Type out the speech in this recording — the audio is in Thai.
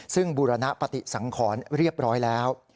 ซึ่งบูรณปฏิสังขรเรียบร้อยแล้ว